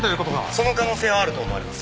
その可能性はあると思われます。